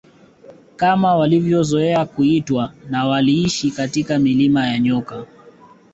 Kama walivyozoea kuitwa na waliishi katika milima ya nyoka